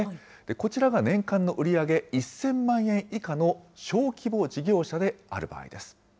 こちらが年間の売り上げ１０００万円以下の小規模事業者である場合です。